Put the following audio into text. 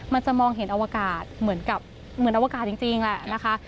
มันจะมองเห็นอวกาศเหมือนกับเหมือนอวกาศจริงแหละนะคะ